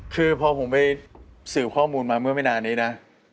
คือพอผมไปสืบข้อมูลมาเมื่อไม่นานนี้นะ